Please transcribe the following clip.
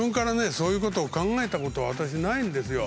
そういうことを考えたこと私ないんですよ。